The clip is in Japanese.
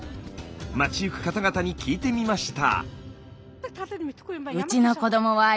街行く方々に聞いてみました。